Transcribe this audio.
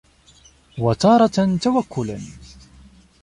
وَتَارَةً تَوَكُّلًا